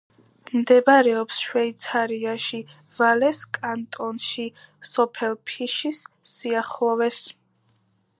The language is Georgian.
მდებარეობს შვეიცარიაში, ვალეს კანტონში, სოფელ ფიშის სიახლოვეს.